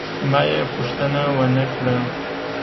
ما یې پوښتنه ونه کړه.